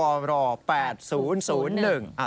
แล้ว๑หายไปไหนซื้อได้๘๐๐